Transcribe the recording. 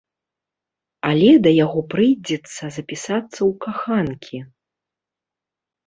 Але да яго прыйдзецца запісацца ў каханкі.